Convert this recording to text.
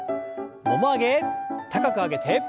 もも上げ高く上げて。